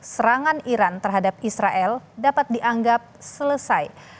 serangan iran terhadap israel dapat dianggap selesai